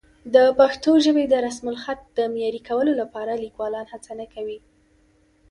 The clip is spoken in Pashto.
د پښتو ژبې د رسمالخط د معیاري کولو لپاره لیکوالان هڅه نه کوي.